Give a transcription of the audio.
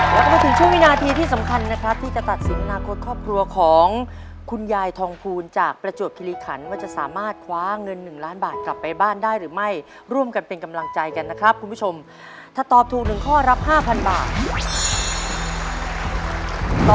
แล้วก็มาถึงช่วงวินาทีที่สำคัญนะครับที่จะตัดสินอนาคตครอบครัวของคุณยายทองภูลจากประจวบคิริขันว่าจะสามารถคว้าเงินหนึ่งล้านบาทกลับไปบ้านได้หรือไม่ร่วมกันเป็นกำลังใจกันนะครับคุณผู้ชมถ้าตอบถูกหนึ่งข้อรับ๕๐๐บาท